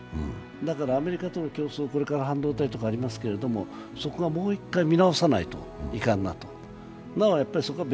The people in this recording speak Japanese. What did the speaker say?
だからアメリカとこれから半導体競争とかありますけどそこがもう一回見直さないといかんなと。